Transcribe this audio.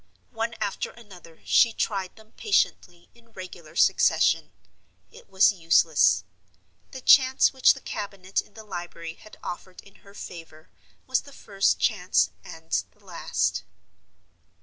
One after another she tried them patiently in regular succession. It was useless. The chance which the cabinet in the library had offered in her favor was the first chance and the last.